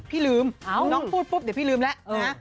พี่ลืมน้องพูดปุ๊บเดี๋ยวพี่ลืมแล้วนะ